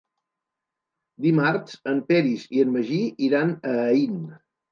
Dimarts en Peris i en Magí iran a Aín.